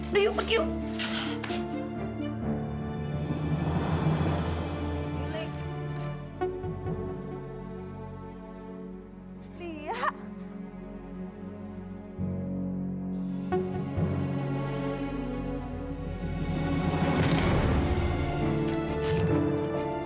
udah yuk pergi yuk